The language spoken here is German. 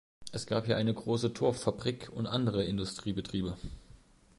Es gab hier eine große Torf-Fabrik und andere Industriebetriebe.